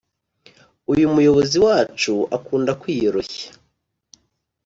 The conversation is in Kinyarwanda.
uyu muyobozi wacu akunda kwiyoroshya